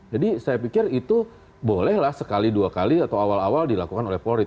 jadi saya pikir itu bolehlah sekali dua kali atau awal awal dilakukan oleh polri